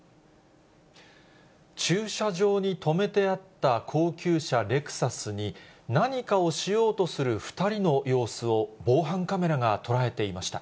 駐車場に止めてあった高級車レクサスに、何かをしようとする２人の様子を、防犯カメラが捉えていました。